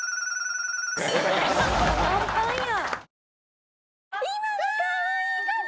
パンパンや。